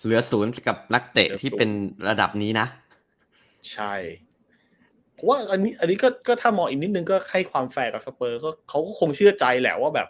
เหลือศูนย์แล้วกับนักเตะที่เป็นระดับนี้นะใช่ว่านี่ก็ก็ถ้ามองอีกนิดนึงก็ให้ความแฟร์กับสเกอร์เขาก็คงเชื่อใจแล้วว่าแบบ